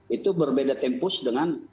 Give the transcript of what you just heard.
itu berbeda tempus dengan